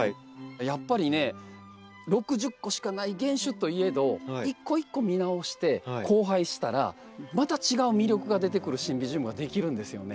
やっぱりね６０個しかない原種といえど一個一個見直して交配したらまた違う魅力が出てくるシンビジウムができるんですよね。